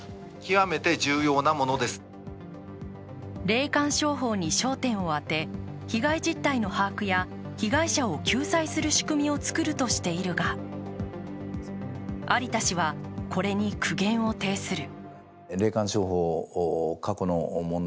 霊感商法に焦点を当て被害実態の把握や被害者を救済する仕組みを作るとしているが、有田氏は、これに苦言を呈する。